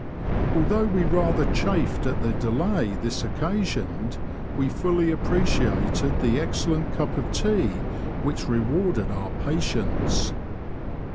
Although we rather chafed at the delay this occasioned, we fully appreciated the excellent cup of tea which rewarded our patience.